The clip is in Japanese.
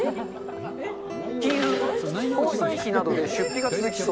金運、交際費などで出費が続きそう。